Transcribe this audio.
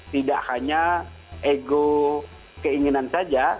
tidak hanya ego keinginan saja